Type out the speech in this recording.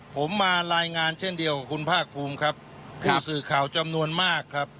ผมมารายงานเช่นเดียวคุณภาคภูมิครับผู้สื่อข่าวจำนวนมากครับ